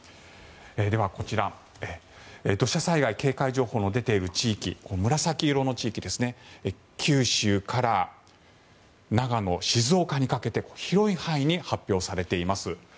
では、こちら土砂災害警戒情報が出ている地域紫色の地域ですが九州から長野、静岡にかけて広い範囲に発表されています。